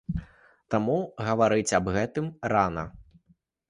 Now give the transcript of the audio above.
Таму гаварыць аб гэтым рана.